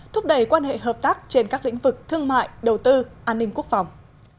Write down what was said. thúc đẩy quan hệ hợp tác trên các lĩnh vực thương mại đầu tư an ninh quốc phòng